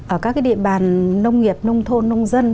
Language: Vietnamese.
ở các địa bàn nông nghiệp nông thôn nông dân